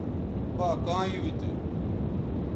با کاں یُو تھو